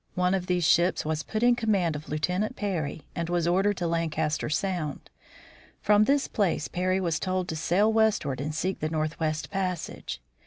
One of these ships was put in command of Lieutenant Parry and was ordered to Lancaster sound. From this place Parry was told to sail westward and seek the northwest passage.